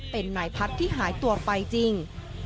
เป็นนายพัฒน์ที่หายตัวไปจริง